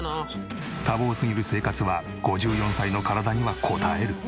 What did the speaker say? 多忙すぎる生活は５４歳の体にはこたえる。